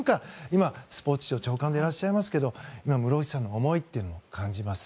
今、スポーツ庁長官でいらっしゃいますけど室伏さんの思いというのを感じます。